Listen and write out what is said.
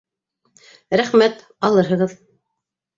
Рәхмәт алырһығыҙ.